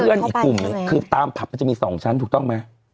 คือเพื่อนอีกกลุ่มนึงคือตามผับมันจะมีสองชั้นถูกต้องไหม